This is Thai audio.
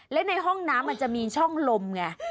และในห้องน้ำมันจะมีช่องลมไง